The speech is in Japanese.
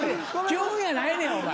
キュンやないねんお前。